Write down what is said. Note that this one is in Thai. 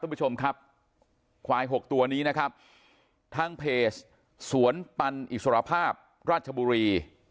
คุณผู้ชมครับควายหกตัวนี้นะครับทางเพจสวนปันอิสรภาพราชบุรี